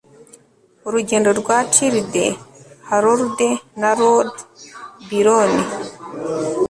Urugendo rwa Childe Harold na Lord Byron